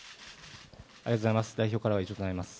ありがとうございます。